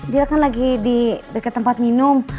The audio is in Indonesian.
dia kan lagi di dekat tempat minum